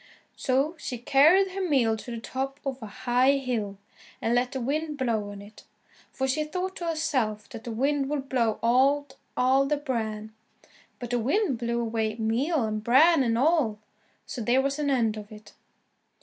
So she carried her meal to the top of a high hill, and let the wind blow on it, for she thought to herself that the wind would blow out all the bran. But the wind blew away meal and bran and all so there was an end of it.